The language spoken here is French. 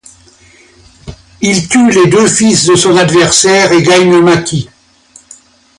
Il tue les deux fils de son adversaire et gagne le maquis.